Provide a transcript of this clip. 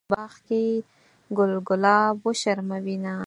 خال به د يار له وينو کيږدم، چې شينکي باغ کې ګل ګلاب وشرموينه.